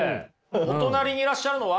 お隣にいらっしゃるのは？